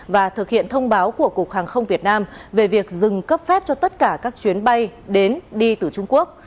và thực hiện thông báo của cục hàng không việt nam về việc dừng cấp phép cho tất cả các chuyến bay đến đi từ trung quốc